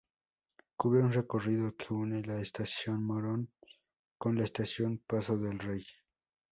Cubre un recorrido que une la estación Morón con la estación Paso del Rey.